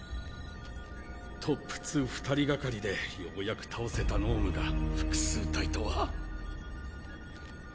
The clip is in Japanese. トップ２２人がかりでようやく倒せた脳無が複数体とは。